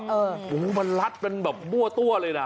โอ้โหมันลัดเป็นแบบมั่วตัวเลยนะ